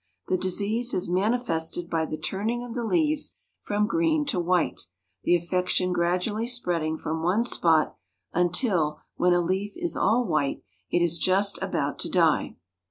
The disease is manifested by the turning of the leaves from green to white, the affection gradually spreading from one spot until, when a leaf is all white, it is just about to die.